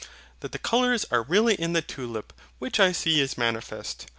That the colours are really in the tulip which I see is manifest.